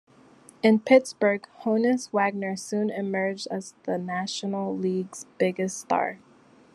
In Pittsburgh, Honus Wagner soon emerged as the National League's biggest star.